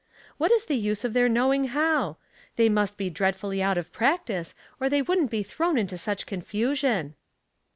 What is the use of their knowing how? They must be dread fully out of practice, or they wouldn't be thrown into such confusion."